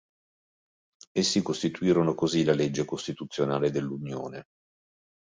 Essi costituirono così la legge costituzionale dell'Unione.